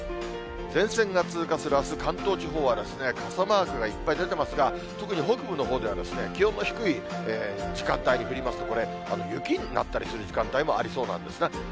前線が通過するあす、関東地方は傘マークがいっぱい出ていますが、特に北部のほうでは気温の低い時間帯に降りますと、これ、雪になったりする時間帯もありそうなんですね。